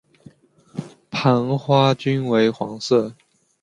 盘花均为黄色。